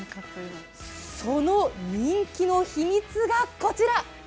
その人気の秘密がこちら。